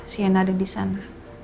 siana ada di sana